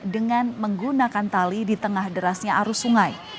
dengan menggunakan tali di tengah derasnya arus sungai